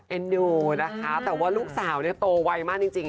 แอโน่แต่ว่าลูกสาวเนี่ยโตวัยมากจริง